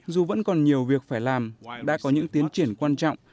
dù vẫn còn nhiều việc phải làm đã có những tiến triển quan trọng